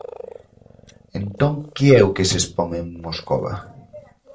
Entón que é o que se expón en Moscova?